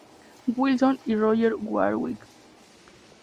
Wilson y Roger Warwick.